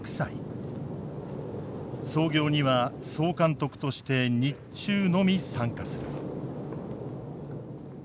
操業には総監督として日中のみ参加する。